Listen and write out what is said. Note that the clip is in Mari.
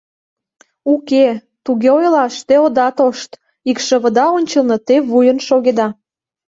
— Уке, туге ойлаш те ода тошт, икшывыда ончылно те вуйын шогеда...